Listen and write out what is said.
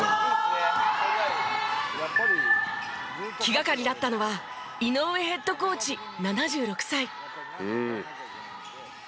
気がかりだったのは井上ヘッドコーチ７６歳。